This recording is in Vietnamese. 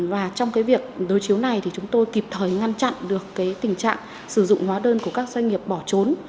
và trong việc đối chiếu này chúng tôi kịp thời ngăn chặn được tình trạng sử dụng hóa đơn của các doanh nghiệp bỏ trốn